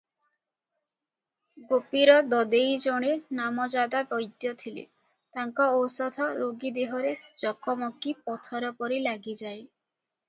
ଗୋପୀର ଦଦେଇ ଜଣେ ନାମଜାଦା ବୈଦ୍ୟ ଥିଲେ, ତାଙ୍କ ଔଷଧ ରୋଗୀ ଦେହରେ ଚକମକି ପଥରପରି ଲାଗିଯାଏ ।